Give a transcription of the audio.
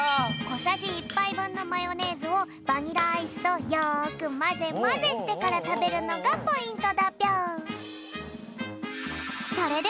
こさじ１ぱいぶんのマヨネーズをバニラアイスとよくまぜまぜしてからたべるのがポイントだぴょん。